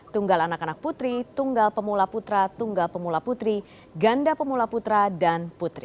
tunggal anak anak putri tunggal pemula putra tunggal pemula putri ganda pemula putra dan putri